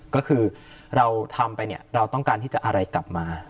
ก็คือเราทำไปเนี่ยเราต้องการที่จะอะไรกลับมา